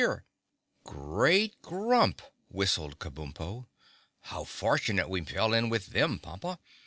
shrilled Wag] "Great Grump!" whistled Kabumpo. "How fortunate we fell in with them, Pompa."